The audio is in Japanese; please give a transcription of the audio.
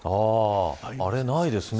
あれ、ないですね。